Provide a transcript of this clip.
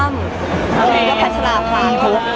มิงแน่ย้อย้อเชลล์ภาคคคคคค